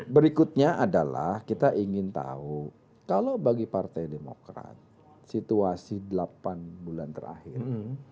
berikutnya adalah kita ingin tahu kalau bagi partai demokrat situasi delapan bulan terakhir